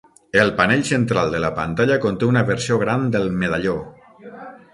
El panell central de la pantalla conté una versió gran del medalló.